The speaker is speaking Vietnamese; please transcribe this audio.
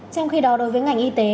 trong khi đó đối với ngành y tế